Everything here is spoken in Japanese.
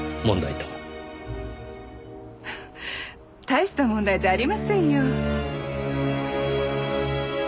大した問題じゃありませんよ。